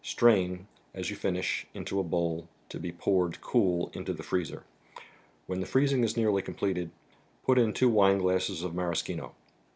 Strain, as you finish, into a bowl to be poured, cool, into the freezer. When the freezing is nearly completed, put in two wineglasses of Maraschino.